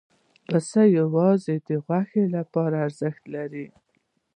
پسه یوازې د غوښې لپاره ارزښت لري.